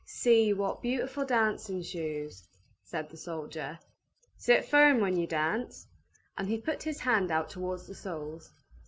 "See, what beautiful dancing shoes!" said the soldier. "Sit firm when you dance"; and he put his hand out towards the soles.